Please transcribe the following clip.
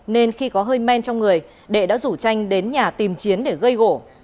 nên khi có hơi men trong người đệ đã rủ tranh đến nhà tìm chiến để gây gỗ